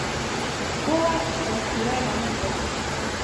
پوهه دا سیوری له منځه وړي.